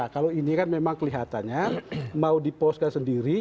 kalau ini kan memang kelihatannya mau diposkan sendiri